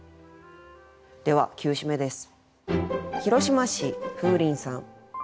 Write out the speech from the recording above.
では９首目です。